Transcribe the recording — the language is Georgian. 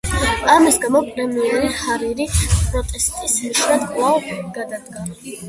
ამის გამო პრემიერი ჰარირი, პროტესტის ნიშნად კვლავ გადადგა.